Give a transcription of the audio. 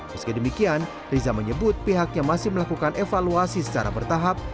meski demikian riza menyebut pihaknya masih melakukan evaluasi secara bertahap